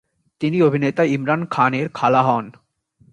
তিনি অভিনেতা ইমরান খান এর খালা হন।